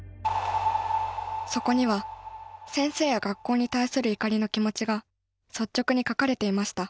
そこには先生や学校に対する怒りの気持ちが率直に書かれていました